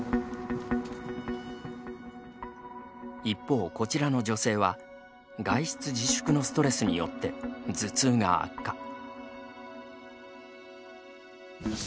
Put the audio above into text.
一方、こちらの女性は外出自粛のストレスによって頭痛が悪化。